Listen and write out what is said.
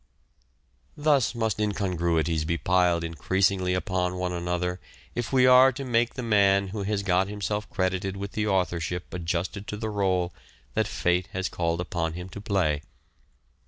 Thus must incongruities be piled in creasingly upon one another if we are to make the man who has got himself credited with the authorship Ii6 " SHAKESPEARE " IDENTIFIED adjusted to the role that Fate has called upon him to play.